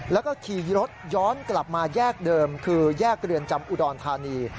แล้วก็ขี่รถย้อนกลับมาแยกเดิมคือแยกเรือนจำอุดรธานี